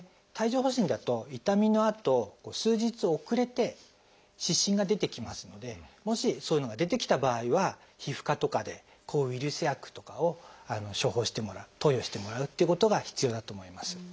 帯状疱疹だと痛みのあと数日遅れて湿疹が出てきますのでもしそういうのが出てきた場合は皮膚科とかで抗ウイルス薬とかを処方してもらう投与してもらうっていうことが必要だと思います。